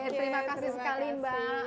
terima kasih sekali mbak